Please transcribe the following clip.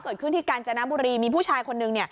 เกิดขึ้นที่กาญจนบุรีมีผู้ชายคนหนึ่ง